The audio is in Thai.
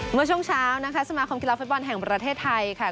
เมื่อช่วงเช้านะคะสมาคมกีฬาฟุตบอลแห่งประเทศไทยค่ะ